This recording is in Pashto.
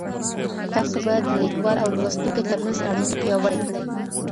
تاسو بايد د ليکوال او لوستونکي تر منځ اړيکه پياوړې کړئ.